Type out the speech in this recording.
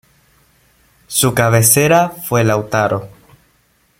Su cabecera fue Lautaro.